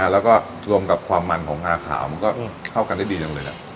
แล้วก็รวมกับความมันของงาขาวมันก็เข้ากันได้ดีจังเลย